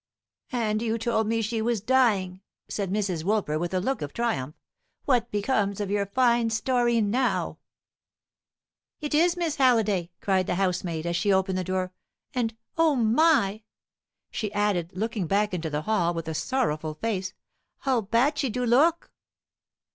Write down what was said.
"And you told me she was dying!" said Mrs. Woolper, with a look of triumph. "What becomes of your fine story now?" "It is Miss Halliday!" cried the housemaid, as she opened the door. "And O my!" she added, looking back into the hall with a sorrowful face, "how bad she do look!"